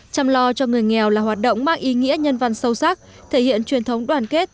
chăm lo cho người nghèo là hoạt động mang ý nghĩa nhân văn sâu sắc thể hiện truyền thống đoàn kết